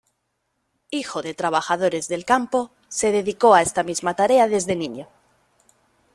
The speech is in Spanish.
Hijo de trabajadores del campo, se dedicó a esta misma tarea desde niño.